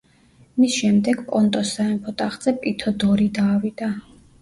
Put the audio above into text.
მის შემდეგ პონტოს სამეფო ტახტზე პითოდორიდა ავიდა.